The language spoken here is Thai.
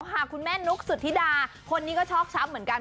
คุณแม่นุ๊กสุธิดาคนนี้ก็ชอบช้ำเหมือนกัน